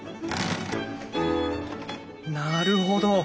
なるほど。